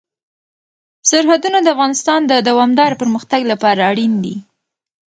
سرحدونه د افغانستان د دوامداره پرمختګ لپاره اړین دي.